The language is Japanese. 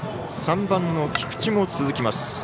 ３番の菊地も続きます。